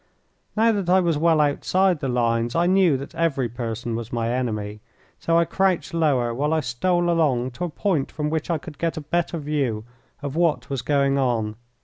Now that I was well outside the lines I knew that every person was my enemy, so I crouched lower while I stole along to a point from which I could get a better view of what was going on.